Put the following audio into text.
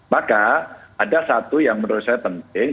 maka ada satu yang menurut saya penting